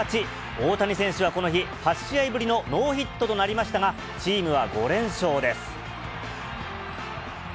大谷選手はこの日、８試合ぶりのノーヒットとなりましたが、チームは５連勝です。